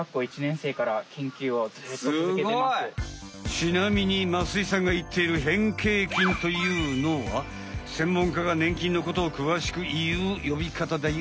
ちなみに増井さんがいっている変形菌というのはせんもんかがねん菌のことをくわしくいう呼びかただよ。